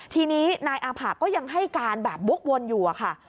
ทีนี้นายอาผะก็ยังให้การแบบวกวนอยู่อะค่ะ